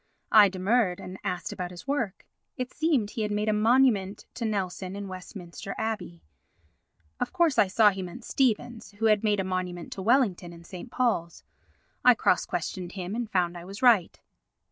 I demurred, and asked about his work. It seemed he had made a monument to Nelson in Westminster Abbey. Of course I saw he meant Stevens, who had made a monument to Wellington in St. Paul's. I cross questioned him and found I was right.